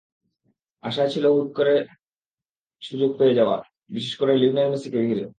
আশায় ছিল হুট করে সুযোগ পেয়ে যাওয়ার, বিশেষ করে লিওনেল মেসিকে ঘিরে।